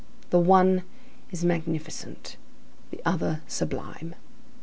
The one is magnificent, the other sublime.